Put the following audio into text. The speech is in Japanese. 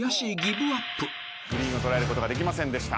グリーンを捉えることができませんでした。